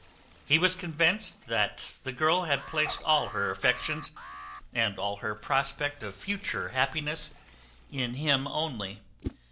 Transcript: He was convinced the girl had placed all her affections, and all her prospect of future happiness, in him only.